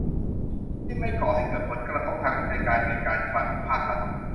ที่ไม่ก่อให้เกิดผลกระทบทางวินัยการเงินการคลังของภาครัฐ